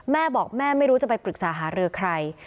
แม่บอกแม่ไม่รู้จะไปปรึกษาหารือใคร